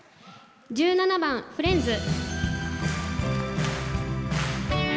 １７番「フレンズ」。